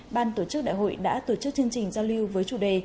ban tổ chức đại hội đã tổ chức chương trình giao lưu với chủ đề